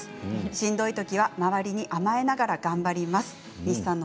しんどい時は周りに甘えながら頑張ります。